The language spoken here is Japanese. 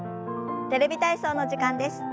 「テレビ体操」の時間です。